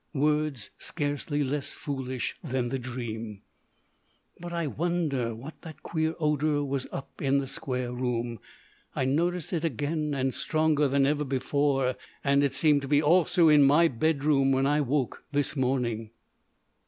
Words scarcely less foolish than the dream. But I wonder what that queer odour was up in the square room. I noticed it again, and stronger than ever before, and it seemed to be also in my bedroom when I woke this morning.